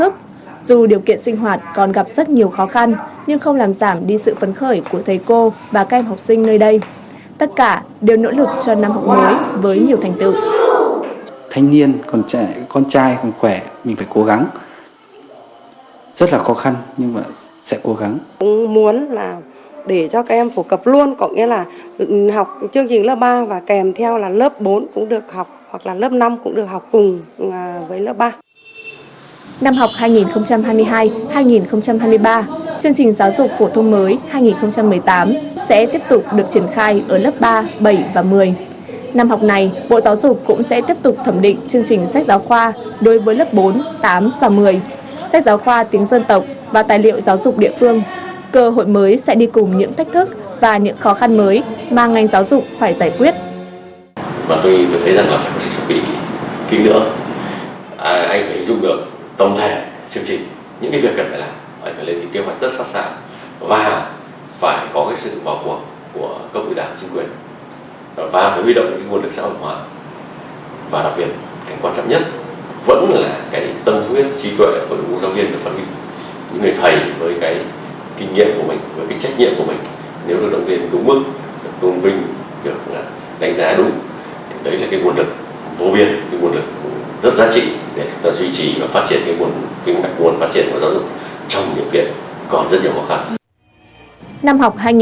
phổ biến những nguồn lực rất giá trị để thực tập duy trì và phát triển những nguồn phát triển của giáo dục trong điều kiện có rất nhiều khó khăn